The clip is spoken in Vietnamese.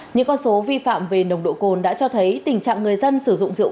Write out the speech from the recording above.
những con số vi phạm về nồng độ cồn đã cho thấy tình trạng người dân sử dụng rượu